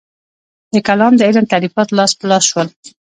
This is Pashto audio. د کلام د علم تالیفات لاس په لاس شول.